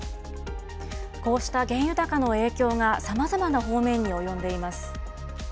こうした原油高の影響が、さまざまな方面に及んでいます。